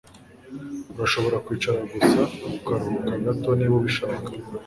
Urashobora kwicara gusa ukaruhuka gato niba ubishaka